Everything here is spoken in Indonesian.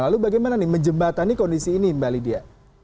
lalu bagaimana nih menjembatani kondisi ini mbak lydia